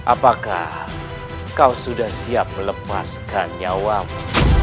apakah kau sudah siap melepaskan nyawamu